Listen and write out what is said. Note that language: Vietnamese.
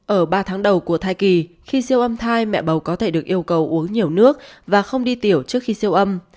ở ba tháng đầu của thai kỳ khi siêu âm thai mẹ bầu có thể được yêu cầu uống nhiều nước và không đi tiểu trước khi siêu âm